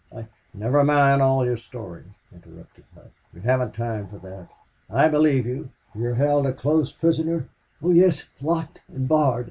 I " "Never mind all your story," interrupted Hough. "We haven't time for that. I believe you... You are held a close prisoner?" "Oh yes locked and barred.